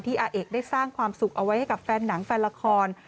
อาเอกได้สร้างความสุขเอาไว้ให้กับแฟนหนังแฟนละคร